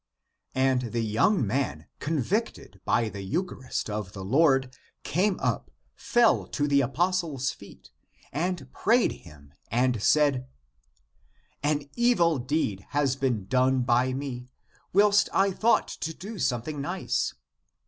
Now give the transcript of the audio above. " And the young man convicted by the eucharist of the Lord came up, fell to the apostle's feet, and prayed him, and said, " An evil deed has been done by me, whilst I thought to do something nice.